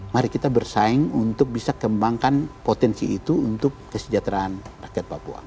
mari kita bersaing untuk bisa kembangkan potensi itu untuk kesejahteraan rakyat papua